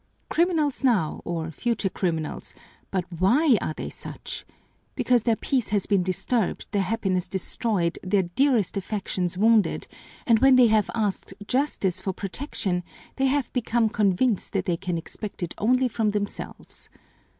"Criminals now, or future criminals; but why are they such? Because their peace has been disturbed, their happiness destroyed, their dearest affections wounded, and when they have asked justice for protection, they have become convinced that they can expect it only from themselves.